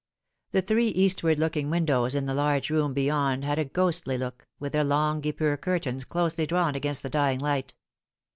The three eastward looking windows in the large room beyond had 166 The Fatal Three. a ghostly look, with their long guipure curtains closely drawn against the dying light.